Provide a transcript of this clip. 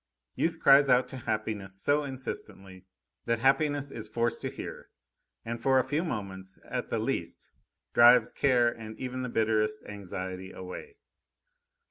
Youth cries out to happiness so insistently that happiness is forced to hear, and for a few moments, at the least, drives care and even the bitterest anxiety away.